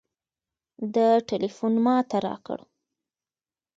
ده ټېلفون ما ته راکړ.